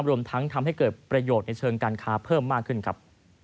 รวมทั้งทำให้เกิดประโยชน์ในเชิงการค้าเพิ่มมากขึ้นครับ